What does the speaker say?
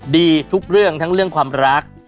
ดีทุกเรื่องทั้งเรื่องความรัก